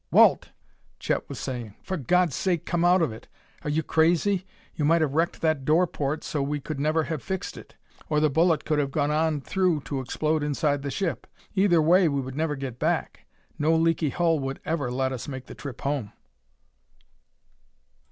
"Walt!" Chet was saying. "For God's sake come out of it! Are you crazy? You might have wrecked that door port so we never could have fixed it; or the bullet could have gone on through to explode inside the ship. Either way we would never get back: no leaky hull would ever let us make the trip home!"